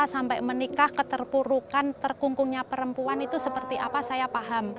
sampai menikah keterpurukan terkungkungnya perempuan itu seperti apa saya paham